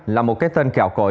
là một cái tên kẹo cội